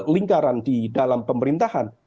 lingkaran di dalam pemerintahan